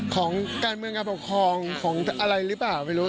ของการเมืองการปกครองของอะไรหรือเปล่าไม่รู้